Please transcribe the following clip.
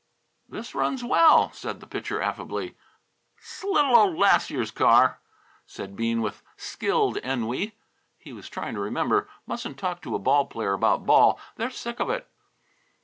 "This runs well," said the Pitcher affably. "'S little old last year's car," said Bean with skilled ennui. He was trying to remember mustn't talk to a ball player about ball; they're sick of it.